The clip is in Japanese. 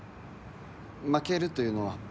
負けるというのは？